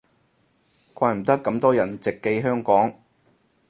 唔怪得咁多人直寄香港